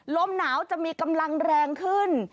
ลมหนาวจะมีกำลังแรงขึ้น